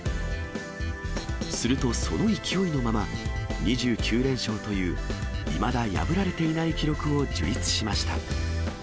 するとその勢いのまま、２９連勝といういまだ破られていない記録を樹立しました。